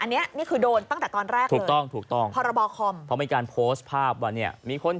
เอิ้นเมื่ออีกนิดนึงมีข้อหาระบายละครอีกนิดนึง